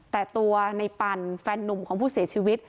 แต่ตัวในปันแฟนนุ่มของผู้เสียชีวิต